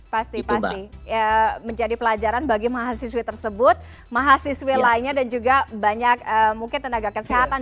pasti pasti menjadi pelajaran bagi mahasiswi tersebut mahasiswi lainnya dan juga banyak mungkin tenaga kesehatan